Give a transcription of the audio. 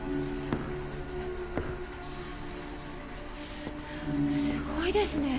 すすごいですね。